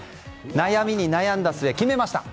悩みに悩んだ末決めました。